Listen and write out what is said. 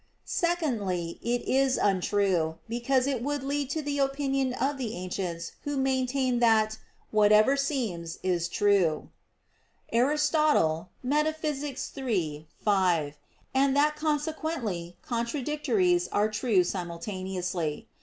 Secondly, it is untrue, because it would lead to the opinion of the ancients who maintained that "whatever seems, is true" [*Aristotle, Metaph. iii. 5, and that consequently contradictories are true simultaneously.